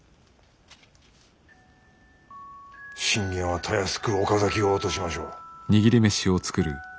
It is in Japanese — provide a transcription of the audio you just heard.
信玄はたやすく岡崎を落としましょう。